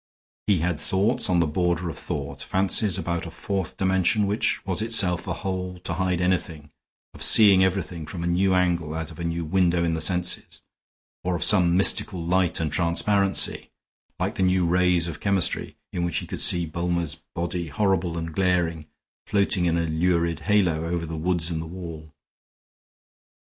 He had thoughts on the border of thought; fancies about a fourth dimension which was itself a hole to hide anything, of seeing everything from a new angle out of a new window in the senses; or of some mystical light and transparency, like the new rays of chemistry, in which he could see Bulmer's body, horrible and glaring, floating in a lurid halo over the woods and the wall.